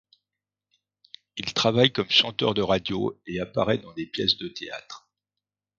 Il travaille comme chanteur de radio et apparaît dans des pièces de théâtre.